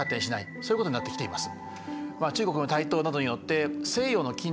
そういうことになってきています。